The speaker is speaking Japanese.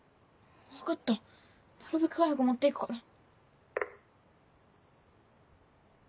分かったなるべく早く持って行くから。